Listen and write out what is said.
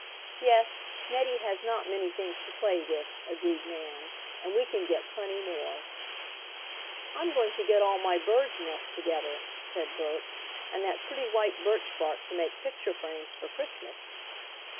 "Yes. Nettie has not many things to play with," agreed Nan, "and we can get plenty more." "I'm going to get all my birds' nests together," said Bert, "and that pretty white birch bark to make picture frames for Christmas."